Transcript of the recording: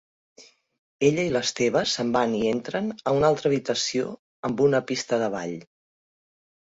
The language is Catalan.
Ella i l'Esteve se'n van i entren a una altra habitació amb una pista de ball.